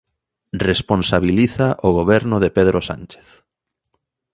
Responsabiliza o Goberno de Pedro Sánchez.